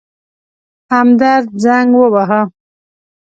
همدرد زنګ وواهه.